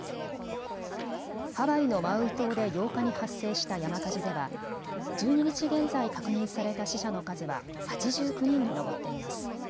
ハワイのマウイ島で８日に発生した山火事では１２日現在、確認された死者の数は８９人に上っています。